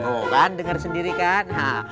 oh kan dengar sendiri kan